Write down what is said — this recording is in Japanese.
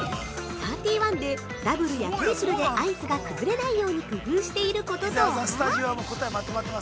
◆サーティーワンでダブルやトリプルでアイスが崩れないように工夫していることとは？